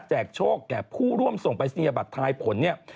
โชคแก่ผู้ร่วมส่งปรายศนียบัตรทายผลเนี่ย